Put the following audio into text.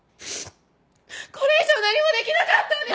これ以上何もできなかったんです。